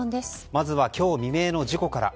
まずは今日未明の事故から。